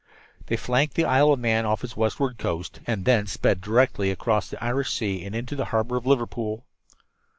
They flanked the Isle of Man off its westward coast, and thence sped directly across the Irish Sea and into the harbor of Liverpool.